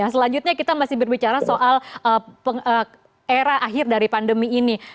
selanjutnya kita masih berbicara soal era akhir dari pandemi ini